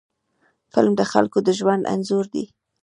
فلم د خلکو د ژوند انځور دی